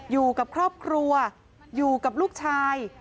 อยู่กับครอบครัวอยู่กับลูกชาย